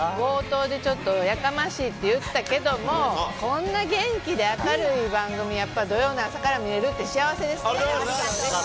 冒頭でちょっとやかましいって言ったけれども、こんな元気で明るい番組やっぱ土曜日の朝から見れるって、幸せですね。